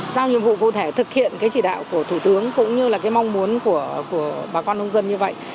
giao nhiệm vụ cụ thể thực hiện cái chỉ đạo của thủ tướng cũng như là cái mong muốn của bà con nông dân như vậy